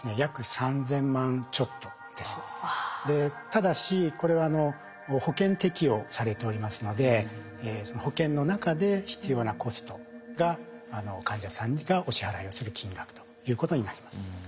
ただしこれは保険適用されておりますので保険の中で必要なコストが患者さんがお支払いをする金額ということになります。